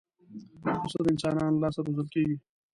پسه د انسانانو له لاسه روزل کېږي.